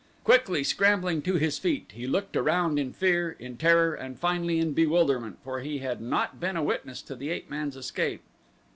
Quickly scrambling to his feet he looked around in fear, in terror and finally in bewilderment, for he had not been a witness to the ape man's escape.